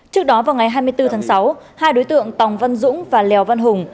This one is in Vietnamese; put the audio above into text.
trước đó vào ngày hai mươi bốn tháng sáu hai đối tượng tòng văn dũng và lèo văn hùng